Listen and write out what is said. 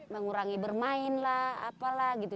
mengurangi bermain lah apalah gitu